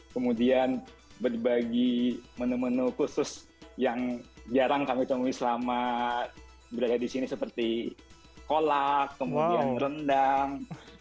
kemudian berbagi menu menu khusus yang jarang kami temui selama berada di sini seperti kolak kemudian rendang